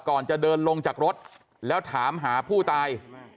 ก่อนจะเดินลงจากรถแล้วถามหาผู้ตาย